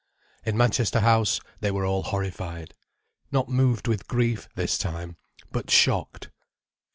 In Manchester House they were all horrified—not moved with grief, this time, but shocked.